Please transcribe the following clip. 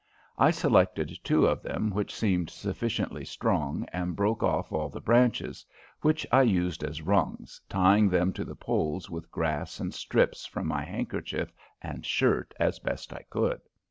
I selected two of them which seemed sufficiently strong and broke off all the branches, which I used as rungs, tying them to the poles with grass and strips from my handkerchief and shirt as best I could.